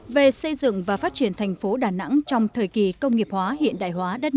về xây dựng và phát triển thành phố đà nẵng trong thời kỳ công nghiệp hóa hiện nay